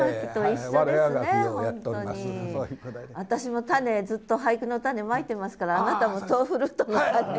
私も種ずっと俳句の種まいてますからあなたもとうふるーとの種を。